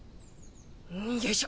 よいしょ。